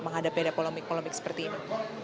menghadapi ada polemik polemik seperti ini